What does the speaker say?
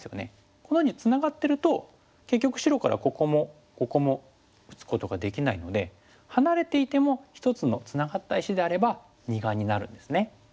このようにツナがってると結局白からここもここも打つことができないので離れていても一つのツナがった石であれば二眼になるんですね。